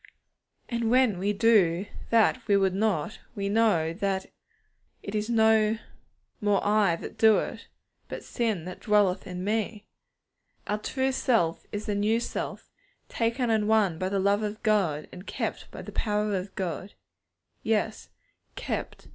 And when we do that we would not, we know that 'it is no more I that do it, but sin that dwelleth in me.' Our true self is the new self, taken and won by the love of God, and kept by the power of God. Yes, '_kept!